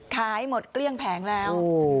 ขายหมดเกลี้ยงแผงแล้ว